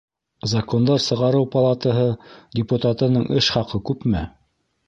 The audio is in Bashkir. Закондар сығарыу палатаһы депутатының эш хаҡы күпме?